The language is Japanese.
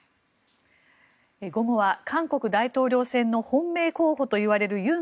午後は韓国大統領選の本命候補といわれるユン・